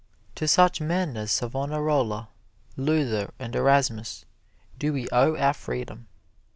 To such men as Savonarola, Luther and Erasmus, do we owe our freedom.